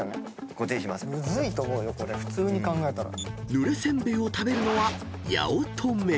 ［ぬれせんべいを食べるのは八乙女］